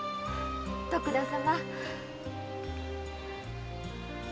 徳田様！